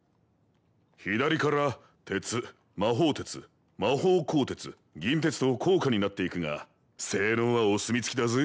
左から鉄魔法鉄魔法鋼鉄銀鉄と高価になっていくが性能はお墨付きだぜ。